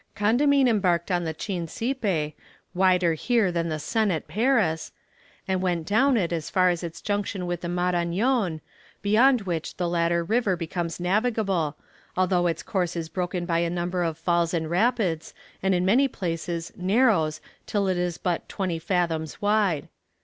Condamine embarked on the Chincipe, wider here than the Seine at Paris, and went down it as far as its junction with the Marañon, beyond which the latter river becomes navigable, although its course is broken by a number of falls and rapids, and in many places narrows till it is but twenty fathoms wide.